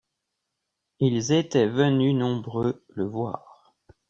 Ils étaient venus nombreux le voir.